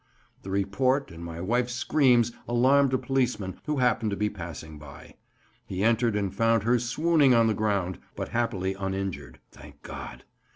The report and my wife's screams alarmed a policeman who happened to be passing by; he entered and found her swooning on the ground, but happily uninjured. Thank God!